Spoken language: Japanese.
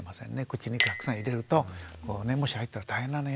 「口にたくさん入れるともし入ったら大変なのよ」って言って。